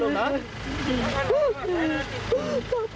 ต้อนสามารถลืกก่อนลูก